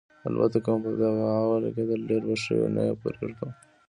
البته که مو په طبعه ولګېدل، ډېر به ښه وي، نه یې پرېږدو.